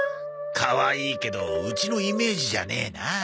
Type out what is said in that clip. かわいいけどうちのイメージじゃねえなあ。